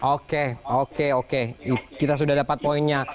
oke oke oke kita sudah dapat poinnya